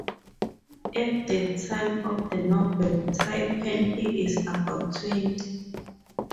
At the time of the novel Tai-Pan, he is about twenty.